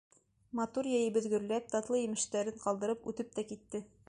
— Матур йәйебеҙ гөрләп, татлы емештәрен ҡалдырып үтеп тә китте.